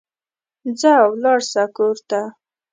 ځه ولاړ سه کور ته